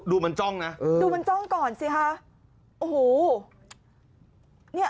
อุ้ย